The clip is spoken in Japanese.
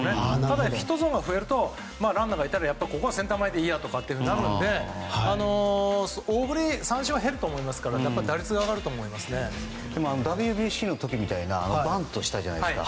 でもヒットゾーンが増えるとランナーがいたら、ここはセンター前でいいやとかになるので大振り、三振は減ると思いますからＷＢＣの時にバントしたじゃないですか。